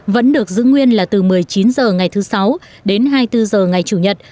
vẫn được giữ nguyên là từ một mươi chín h ngày thứ sáu đến hai mươi bốn h ngày chủ nhật